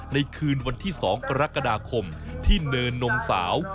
ในคืนวันที่๒กรกฎาคมที่เนินนมสาว